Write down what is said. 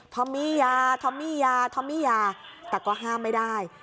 อมมี่ยาทอมมี่ยาทอมมี่ยาแต่ก็ห้ามไม่ได้